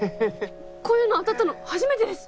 こういうの当たったの初めてです！